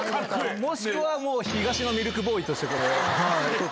もしくはもう東のミルクボーイとして。